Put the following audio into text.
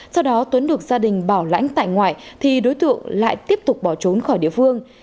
sau đó tuấn được gia đình bảo lãnh tại ngoại thì đối tượng lại tiếp tục bỏ trốn khỏi địa phương